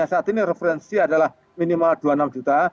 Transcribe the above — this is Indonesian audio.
saat ini referensi adalah minimal dua puluh enam juta